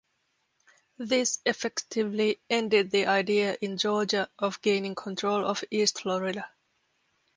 This effectively ended the idea in Georgia of gaining control of East Florida.